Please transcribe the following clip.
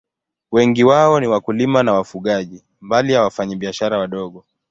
Wengi wao ni wakulima na wafugaji, mbali ya wafanyabiashara wadogo.